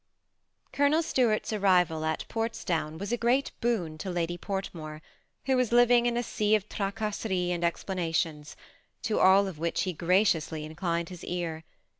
Colonel Stuart's arrival at Portsdown was a great boon to Lady Portmore, who was living in a sea of tracctsseries and explanations ; to all of which he gra ciously inclined his ear.